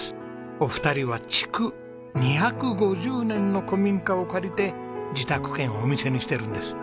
お二人は築２５０年の古民家を借りて自宅兼お店にしてるんです。